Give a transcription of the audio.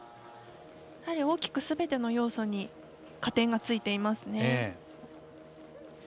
大きくすべての要素に加点がついていますね。